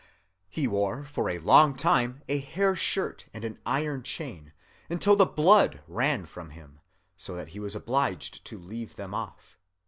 He wore for a long time a hair shirt and an iron chain, until the blood ran from him, so that he was obliged to leave them off.